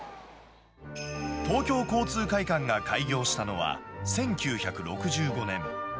東京交通会館が開業したのは１９６５年。